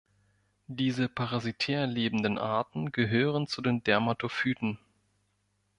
Diese parasitär lebenden Arten gehören zu den Dermatophyten.